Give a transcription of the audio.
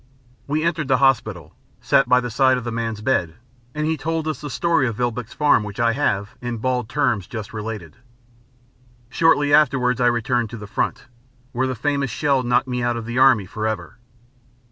We entered the hospital, sat by the side of the man's bed, and he told us the story of Vilboek's Farm which I have, in bald terms, just related. Shortly afterwards I returned to the front, where the famous shell knocked me out of the Army forever.